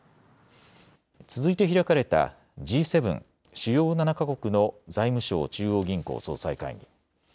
続いて開かれたＧ７・主要７か国の財務相・中央銀行総裁会議。